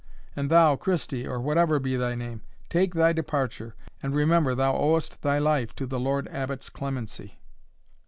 And thou, Christie, or whatever be thy name, take thy departure, and remember thou owest thy life to the Lord Abbot's clemency."